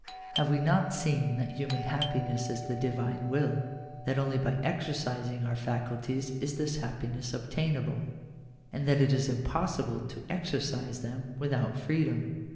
Have we not seen that human happiness is the Divine will — that only by exer cising our faculties is this happiness obtainable — and that it is impossible to exercise them without freedom